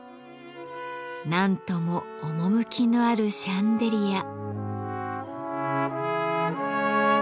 何とも趣のあるシャンデリア。